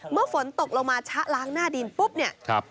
เมื่อฝนตกลงมาชะล้างหน้าดินปุ๊บเนี่ย